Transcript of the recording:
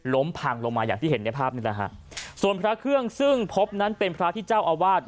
พังลงมาอย่างที่เห็นในภาพนี่แหละฮะส่วนพระเครื่องซึ่งพบนั้นเป็นพระที่เจ้าอาวาส